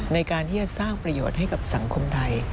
ในการที่จะสร้างประโยชน์ให้กับสังคมไทย